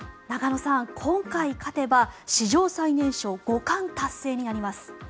中野さん、今回勝てば史上最年少五冠達成になります。